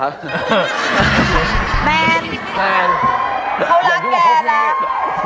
เค้ารักแกละ